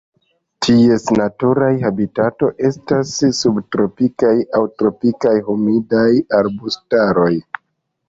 Ties natura habitato estas subtropikaj aŭ tropikaj humidaj arbustaroj.